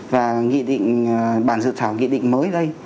và nghị định bản dự thảo nghị định mới đây